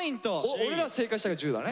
俺らは正解したから１０だね。